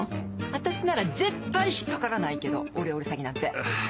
私なら絶対引っ掛からないけどオレオレ詐欺なんて。